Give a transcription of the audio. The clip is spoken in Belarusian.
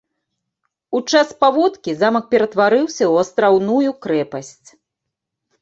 У час паводкі замак ператвараўся ў астраўную крэпасць.